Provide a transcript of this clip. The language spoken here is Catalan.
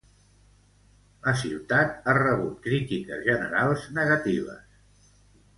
La ciutat ha rebut critiques generals negatives.